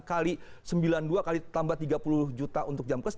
kali sembilan puluh dua kali tambah tiga puluh juta untuk jamkes